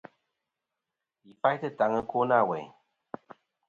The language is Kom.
Yi faytɨ taŋ ɨkwo nâ weyn.